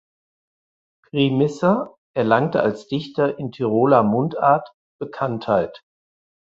Primisser erlangte als Dichter in Tiroler Mundart Bekanntheit.